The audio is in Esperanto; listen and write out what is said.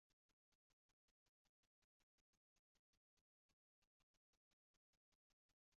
Trafiko en Pekino estas disvolviĝinta.